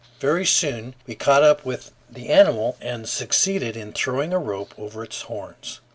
Very soon we caught up with the animal and succeeded in throwing a rope over its horns.